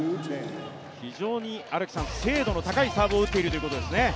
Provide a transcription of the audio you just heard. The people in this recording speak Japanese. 非常に精度の高いサーブを打っているということですね。